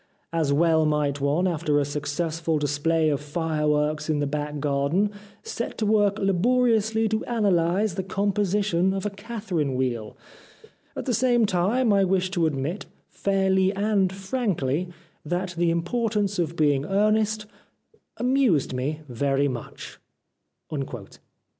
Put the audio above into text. As well might one, after a success ful display of fireworks in the back garden, set to work laboriously to analyse the composition of a Catherine Wheel. At the same time I wish to admit, fairly and frankly, that * The Importance of Being Earnest ' amused me very much."